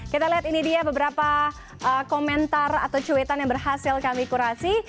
kita lihat ini dia beberapa komentar atau cuitan yang berhasil kami kurasi